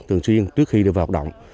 thường xuyên trước khi được vào hoạt động